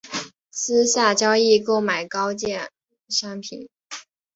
私下交易购买高阶商品